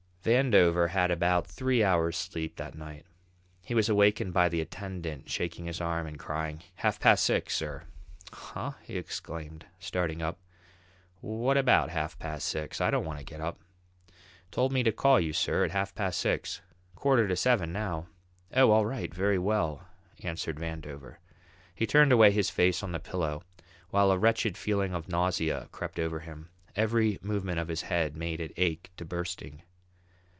Vandover had about three hours' sleep that night. He was awakened by the attendant shaking his arm and crying: "Half past six, sir." "Huh!" he exclaimed, starting up. "What about half past six? I don't want to get up." "Told me to call you, sir, at half past six; quarter to seven now." "Oh, all right, very well," answered Vandover. He turned away his face on the pillow, while a wretched feeling of nausea crept over him; every movement of his head made it ache to bursting.